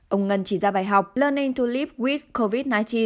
ông ngân chỉ ra bài học learning to live with covid một mươi chín